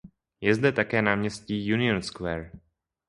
Je zde také náměstí Union Square.